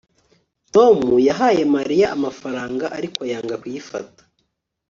tom yahaye mariya amafaranga, ariko yanga kuyifata